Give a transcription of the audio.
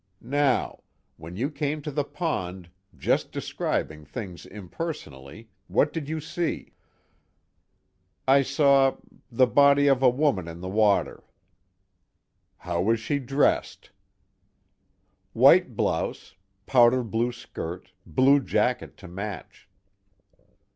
Now: when you came to the pond, just describing things impersonally, what did you see?" "I saw the body of a woman in the water." "How was she dressed?" "White blouse. Powder blue skirt, blue jacket to match."